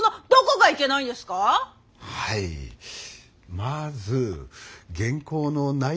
まず原稿の内容